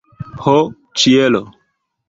Ho, ĉielo!